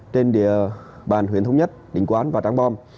trên địa bàn huyện thống nhất định quán và trang bom